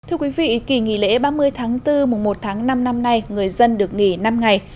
thưa quý vị kỳ nghỉ lễ ba mươi tháng bốn mùa một tháng năm năm nay người dân được nghỉ năm ngày